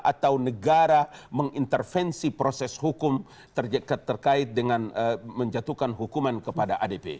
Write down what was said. atau negara mengintervensi proses hukum terkait dengan menjatuhkan hukuman kepada adp